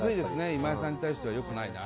今江さんに対しては良くないな。